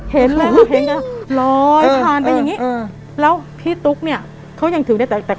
หึหึหึหึ